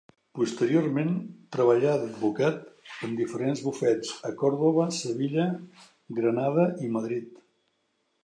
Posteriorment treballà d'advocat en diferents bufets a Còrdova, Sevilla, Granada i Madrid.